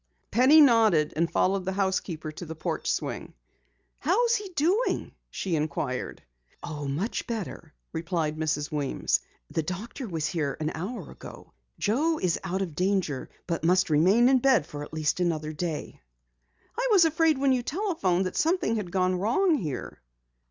Penny nodded and followed the housekeeper to the porch swing. "How is he doing?" she inquired. "Oh, much better," replied Mrs. Weems. "The doctor was here an hour ago. Joe is out of danger but must remain in bed for at least another day." "I was afraid when you telephoned that something had gone wrong here."